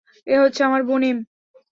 এ হচ্ছে আমার বোন এম।